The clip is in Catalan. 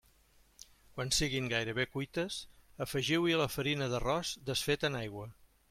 Quan siguin gairebé cuites, afegiu-hi la farina d'arròs desfeta en aigua.